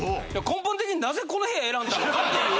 根本的になぜこの部屋を選んだのかっていう。